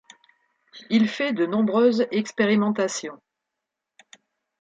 Il fait de nombreuses expérimentations.